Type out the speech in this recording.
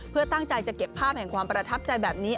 เพื่อตั้งใจจะเก็บภาพแห่งความประทับใจแบบนี้